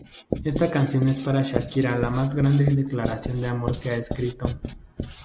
Esta canción es para Shakira la más grande declaración de amor que ha escrito.